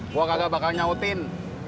gua kagak bakal nyautin